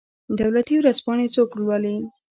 دولتي ورځپاڼې څوک لوالي؟